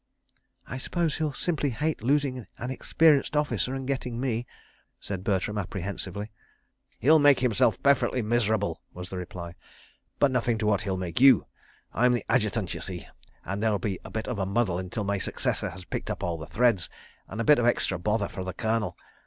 "I suppose he'll simply hate losing an experienced officer and getting me," said Bertram, apprehensively. "He'll make himself perfectly miserable," was the reply, "but nothing to what he'll make you. I'm the Adjutant, you see, and there'll be a bit of a muddle until my successor has picked up all the threads, and a bit of extra bother for the Colonel.